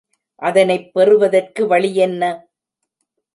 அதனைப் பெறுவதற்கு வழி என்ன?